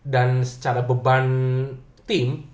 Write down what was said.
dan secara beban tim